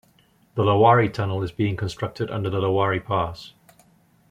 The Lowari Tunnel is being constructed under the Lowari Pass.